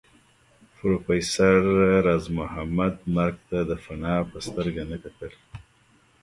پروفېسر راز محمد مرګ ته د فناء په سترګه نه کتل